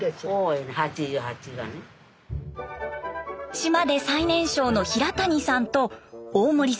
島で最年少の平谷さんと大森さん